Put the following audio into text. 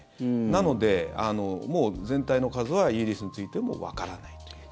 なので、もう全体の数はイギリスについてもわからないという。